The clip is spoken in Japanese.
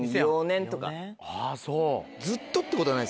あぁそう。